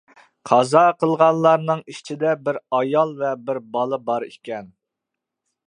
قازا قىلغانلارنىڭ ئىچىدە بىر ئايال ۋە بىر بالا بار ئىكەن.